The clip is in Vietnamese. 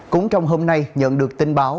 cũng trong hôm nay nhận được tin báo